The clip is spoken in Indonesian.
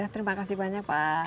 terima kasih banyak pak